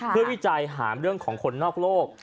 เพื่อวิจัยหาเรื่องของคนนอกโลก